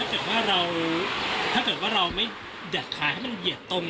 คือสภาพของเขาเนี่ยถ้าเกิดว่าเราไม่จัดขายให้มันเหยียดตรง